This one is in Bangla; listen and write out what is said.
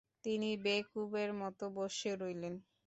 তিনি বেকুবের মতো বসে রইলেন।